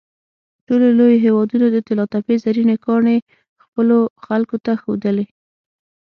ټولو لویو هېوادونو د طلاتپې زرینې ګاڼې خپلو خلکو ته ښودلې.